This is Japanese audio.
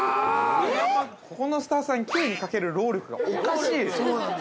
ここのスタッフさん、Ｑにかける労力がおかしい。